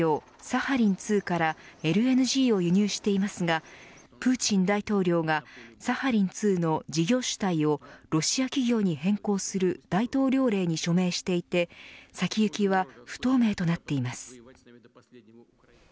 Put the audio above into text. サハリン２からＬＮＧを輸入していますがプーチン大統領が、サハリン２の事業主体をロシア企業に変更する大統領令に署名していて先行きは不透明となっています。